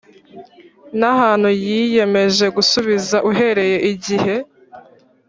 n ahantu yiyemeje gusubiza uhereye igihe